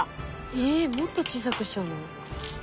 えっもっと小さくしちゃうの？